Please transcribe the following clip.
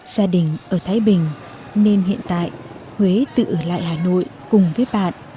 gia đình ở thái bình nên hiện tại huế tự ở lại hà nội cùng với bạn